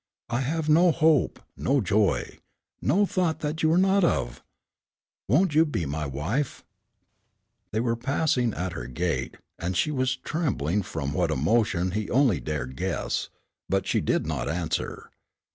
I have no hope, no joy, no thought that you are not of. Won't you be my wife?" They were pausing at her gate, and she was trembling from what emotion he only dared guess. But she did not answer.